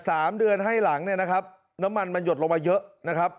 สามเดือนให้หลังเนี่ยนะครับน้ำมันมันหยดลงมาเยอะนะครับ